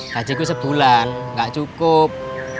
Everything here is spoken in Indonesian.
kaciku sebulan nggak cukup